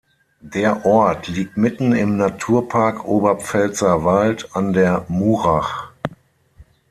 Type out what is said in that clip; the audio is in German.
Der Ort liegt mitten im Naturpark Oberpfälzer Wald an der Murach.